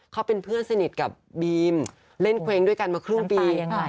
เขาเป็นเพื่อนสนิทกับบีมเล่นเว้งด้วยกันมาครึ่งปี